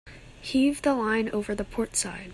Heave the line over the port side.